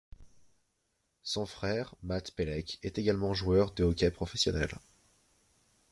Son frère, Matt Pelech, est également joueur de hockey professionnel.